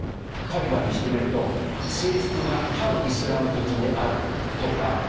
タリバンにしてみると制服が反イスラム的であるとかいう